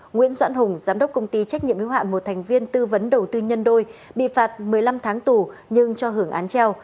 nguyễn doãn hùng giám đốc công ty trách nhiệm hiếu hạn một thành viên tư vấn đầu tư nhân đôi bị phạt một mươi năm tháng tù nhưng cho hưởng án treo